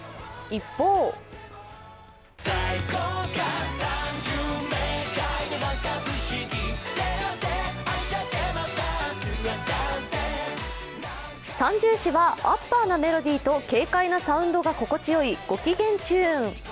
一方「三銃士」はアッパーなメロディーと軽快なサウンドが心地よいご機嫌チューン。